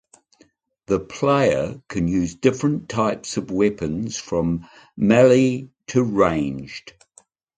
The player can use different types of weapons from melee to ranged.